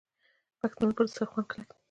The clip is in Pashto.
پښتانه پر دسترخوان کلک دي.